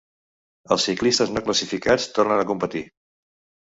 Els ciclistes no classificats tornen a competir.